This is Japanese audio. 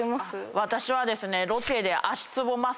私はですね。